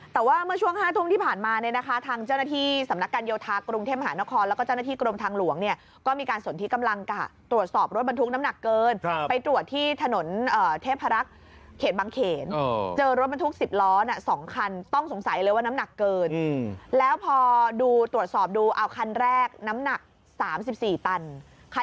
แต่ว่าเมื่อช่วง๕ทุ่มที่ผ่านมาเนี่ยนะคะทางเจ้าหน้าที่สำนักการโยธากรุงเทพมหานครแล้วก็เจ้าหน้าที่กรมทางหลวงเนี่ยก็มีการสนที่กำลังตรวจสอบรถบรรทุกน้ำหนักเกินไปตรวจที่ถนนเทพรักษ์เขตบางเขนเจอรถบรรทุก๑๐ล้อ๒คันต้องสงสัยเลยว่าน้ำหนักเกินแล้วพอดูตรวจสอบดูเอาคันแรกน้ำหนัก๓๔ตันค่ะ